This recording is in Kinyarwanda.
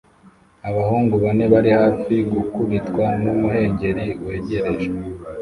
Abahungu bane bari hafi gukubitwa n'umuhengeri wegereje